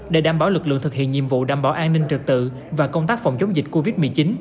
để đảm bảo lực lượng thực hiện nhiệm vụ đảm bảo an ninh trực tự và công tác phòng chống dịch covid một mươi chín